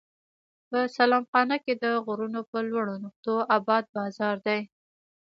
په سلام خانه کې د غرونو پر لوړو نقطو اباد بازار دی.